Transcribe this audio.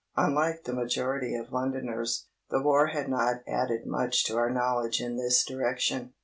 Unlike the majority of Londoners, the War had not added much to our knowledge in this direction.